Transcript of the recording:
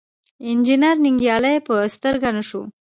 انجنیر ننګیالی په سترګه نه شو.